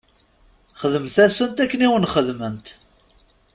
Xdemt-asent akken i wen-xedment.